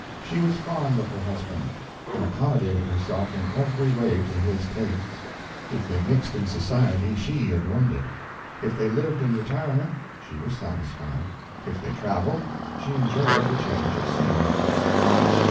She was fond of her husband, and accommodated herself in every way to his tastes. If they mixed in society, she adorned it; if they lived in retirement, she was satisfied; if they travelled, she enjoyed the change of scene."